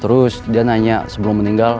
terus dia nanya sebelum meninggal